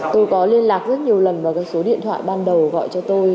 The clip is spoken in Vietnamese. tôi có liên lạc rất nhiều lần vào cái số điện thoại ban đầu gọi cho tôi